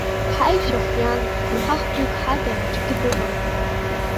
Ҳаишәа хиан, ҳахҩык ҳада аӡәгьы дыҟам.